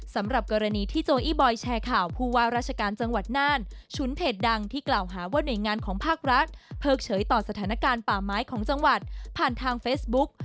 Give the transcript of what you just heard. สำหรับกรณีที่โจอี้บอยแชร์ข่าวผู้ว่าราชการจังหวัดน่านฉุนเพจดังที่กล่าวหาว่าหน่วยงานของภาครัฐเพิกเฉยต่อสถานการณ์ป่าไม้ของจังหวัดผ่านทางเฟซบุ๊ก